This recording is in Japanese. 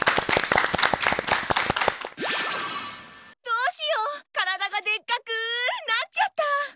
どうしよう体がでっかくなっちゃった！